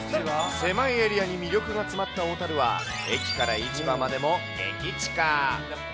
狭いエリアに魅力が詰まった小樽は、駅から市場までも激近。